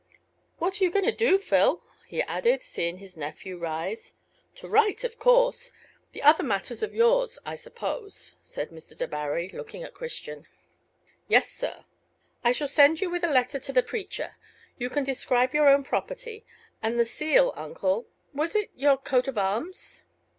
"What are you going to do, Phil?" he added, seeing his nephew rise. "To write, of course. Those other matters are yours, I suppose?" said Mr. Debarry, looking at Christian. "Yes, sir." "I shall send you with a letter to the preacher. You can describe your own property. And the seal, uncle was it your coat of arms?"